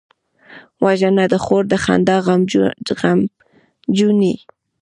وژنه د خور د خندا غمجنوي